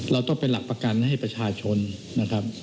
เราต้องเป็นหลักประกันให้ประชาชนนะครับ